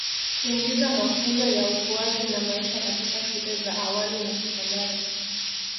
Kuingiza mafunzo ya ukuaji na maisha katika shule za awali na sekondari